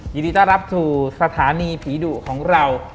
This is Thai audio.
ยินดีต้อนรับสู่สถานีผีดุของเรา